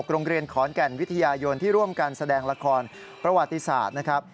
โรงเรียนขอนแก่นวิทยายนที่ร่วมการแสดงละครประวัติศาสตร์นะครับ